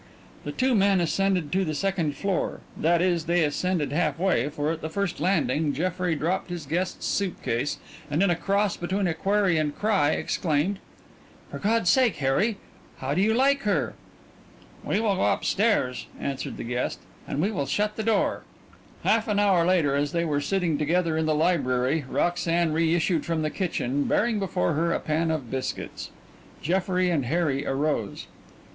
The two men ascended to the second floor that is, they ascended half way, for at the first landing Jeffrey dropped his guest's suitcase and in a cross between a query and a cry exclaimed: "For God's sake, Harry, how do you like her?" "We will go up stairs," answered his guest, "and we will shut the door." Half an hour later as they were sitting together in the library Roxanne reissued from the kitchen, bearing before her a pan of biscuits. Jeffrey and Harry rose.